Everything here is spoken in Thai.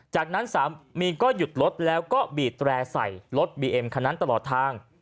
จากนั้นสามีก็หยุดรถแล้วก็บีดแร่ใส่รถบีเอ็มคันนั้นตลอดทาง